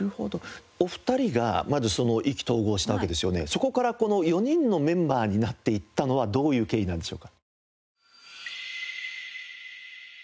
そこからこの４人のメンバーになっていったのはどういう経緯なんでしょうか？